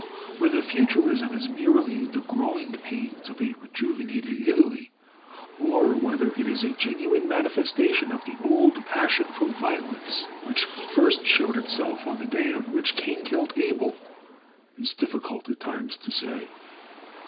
Whether Futurism is merely the growing pains of a rejuvenated Italy, or whether it is a genuine manifestation of the old passion for violence which first showed itself on the day on which Cain killed Abel, it is difficult at times to say.